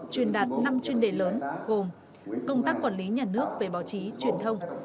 truyền đạt năm chuyên đề lớn gồm công tác quản lý nhà nước về báo chí truyền thông